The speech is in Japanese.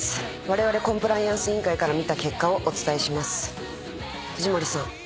われわれコンプライアンス委員会から見た結果をお伝えします。